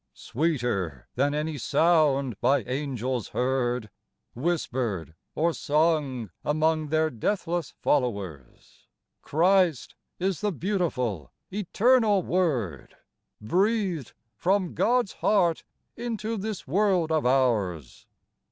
Sweeter than any sound by angels heard, Whispered or sung among their deathless flow ers, Christ is the beautiful, eternal Word, Breathed from God's heart into this world of ours.